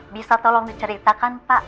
bisa tolong diceritakan pak